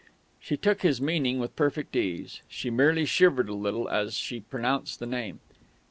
She took his meaning with perfect ease. She merely shivered a little as she pronounced the name.